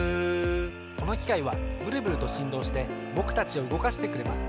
このきかいはブルブルとしんどうしてぼくたちをうごかしてくれます。